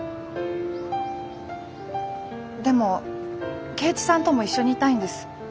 でも圭一さんとも一緒にいたいんです。